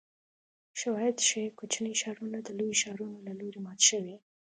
شواهد ښيي کوچني ښارونه د لویو ښارونو له لوري مات شوي